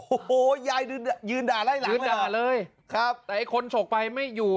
โอ้โหยายยืนด่าไล่หลานด่าเลยครับแต่ไอ้คนฉกไปไม่อยู่